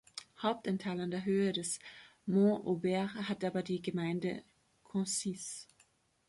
Hauptanteil an der Höhe des Mont Aubert hat aber die Gemeinde Concise.